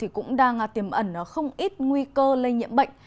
cũng đang tiềm ẩn không ít nguy cơ lây nhiễm bệnh